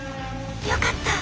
よかった！